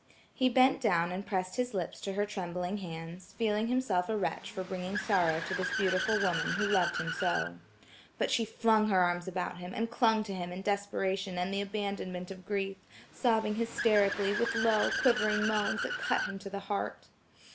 He bent down and pressed his lips to her trembling hands, feeling himself a wretch for bringing sorrow to this beautiful woman who loved him so. But she flung her arms about him, and clung to him in desperation and the abandonment of grief, sobbing hysterically, with low, quivering moans, that cut him to the heart.